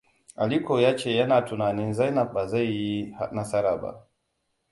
Alikoa ya ce yana tunanin Zainab ba zai yi nasara ba.